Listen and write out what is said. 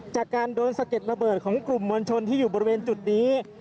จากการโดนสะเก็ดระเบิดของกลุ่มมวลชนที่อยู่บริเวณจุดนี้